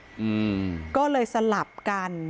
ทีนี้ทางโรงพยาบาลบุรีรำบอกว่า